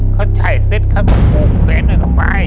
เขาไชร์เซ็ทท์ข้างกลมลงเคยเข้นมาไฟล์